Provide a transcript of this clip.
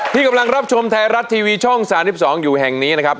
ที่กำลังรับชมไทยรัฐทีวีช่อง๓๒อยู่แห่งนี้นะครับ